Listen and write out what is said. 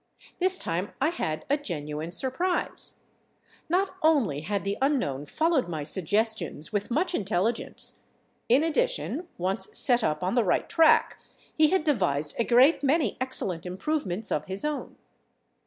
This time I had a genuine surprise. Not only had the unknown followed my suggestions with much intelligence; in addition, once set up on the right track, he had devised a great many excellent improvements of his own.